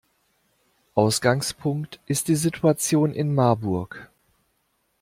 Ausgangspunkt ist die Situation in Marburg.